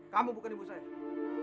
kamu bukan ibu saya